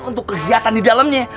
untuk kegiatan di dalamnya